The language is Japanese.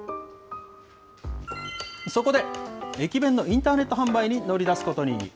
そこで、駅弁のインターネット販売に乗り出すことに。